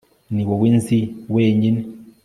ni wowe nzi wenyine